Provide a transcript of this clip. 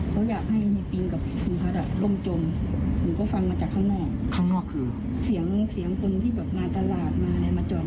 เขาอยากให้เฮียปิงกับคุณพัฒน์ร่มจม